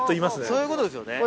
そういうことです。